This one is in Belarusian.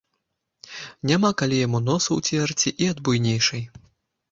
Няма калі яму носа ўцерці і ад буйнейшай.